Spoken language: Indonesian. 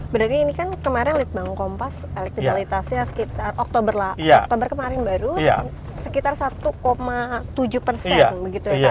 berarti ini kan kemarin litbang kompas elektrialitasnya sekitar oktober kemarin baru sekitar satu tujuh persen